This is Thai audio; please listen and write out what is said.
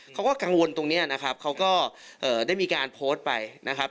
เขาก็กังวลตรงนี้นะครับเขาก็ได้มีการโพสต์ไปนะครับ